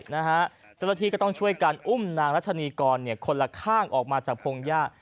เจ้าหน้าที่ก็ต้องช่วยกันอุ้มนางรัชนีกรคนละข้างออกมาจากพงหญ้า